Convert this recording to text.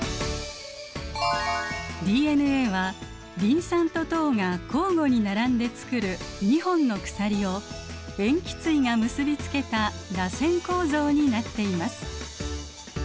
ＤＮＡはリン酸と糖が交互に並んでつくる２本の鎖を塩基対が結び付けたらせん構造になっています。